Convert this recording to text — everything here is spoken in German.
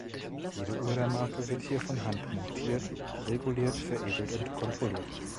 Jede Uhr der Marke wird hier von Hand montiert, reguliert, veredelt und kontrolliert.